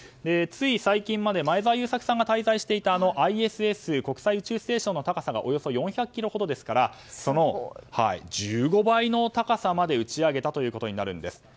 つい最近まで前澤友作さんが滞在していたＩＳＳ・国際宇宙ステーションの高さがおよそ４００ｋｍほどですからその１５倍の高さまで打ち上げたということになります。